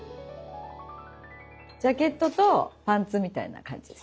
ジャケットとパンツみたいな感じです